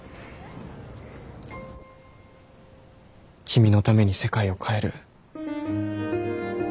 君のために世界を変える。